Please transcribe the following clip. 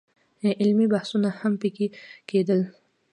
علمي بحثونه هم په کې کېدل.